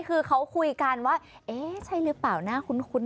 คือเขาคุยกันว่าเอ๊ะใช่หรือเปล่าน่าคุ้น